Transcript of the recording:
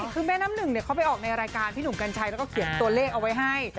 คือแม่น้ำหนึ่งเขาไปออกในรายการพี่หนุ่มกัญชัยแล้วก็เขียนตัวเลขเอาไว้ให้